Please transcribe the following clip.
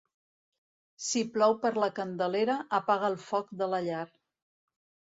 Si plou per la Candelera, apaga el foc de la llar.